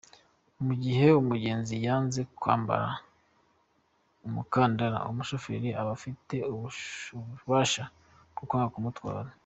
Mu gihe umugenzi yanze kwambara umukandara, umushoferi aba afite ububasha bwo kwanga kumutwara”.